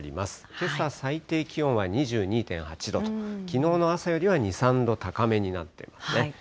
けさ、最低気温は２２．８度と、きのうの朝よりは２、３度高めになっていますね。